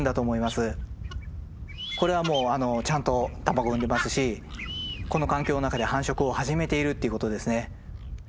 これはもうちゃんと卵産んでますしこの環境の中で繁殖を始めているっていうことですね。